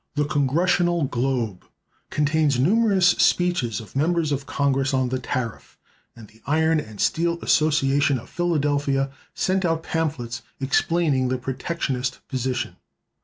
"The Congressional Globe" contains numerous speeches of members of Congress on the tariff; and the Iron and Steel Association of Philadelphia send out pamphlets explaining the protectionist position.